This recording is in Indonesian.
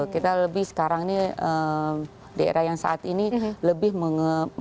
kita lebih sekarang ini di era yang saat ini lebih mengutamakan ya